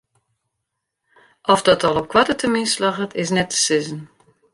Oft dat al op koarte termyn slagget is net te sizzen.